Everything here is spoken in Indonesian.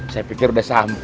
saya pikir udah sampai